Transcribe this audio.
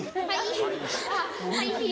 はい。